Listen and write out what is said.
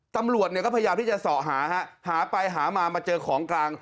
ตำรวจเนี่ยก็พยายามที่จะสอหาฮะหาไปหามามาเจอของกลาง